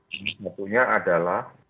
yang sebetulnya adalah